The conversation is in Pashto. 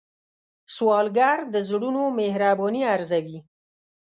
سوالګر د زړونو مهرباني ارزوي